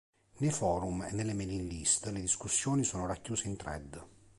Nei forum e nelle mailing-list le discussioni sono racchiuse in thread.